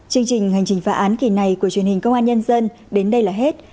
chương trình hành trình phá án kỳ này của truyền hình công an nhân dân đến đây là hết